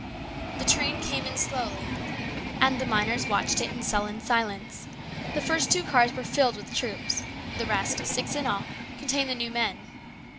The train came in slowly, and the miners watched it in sullen silence. The first two cars were filled with troops. The rest, six in all, contained the new men.